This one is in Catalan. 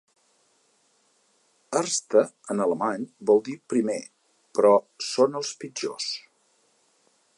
Erste’ en alemany vol dir ‘primer’, però són els pitjors.